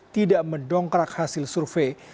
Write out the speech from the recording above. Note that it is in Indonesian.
tidak mendongkrak hasil survei